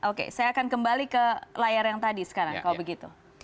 oke saya akan kembali ke layar yang tadi sekarang kalau begitu